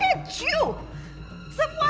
kamu hancurkan semuanya